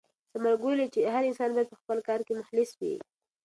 ثمرګل وویل چې هر انسان باید په خپل کار کې مخلص وي.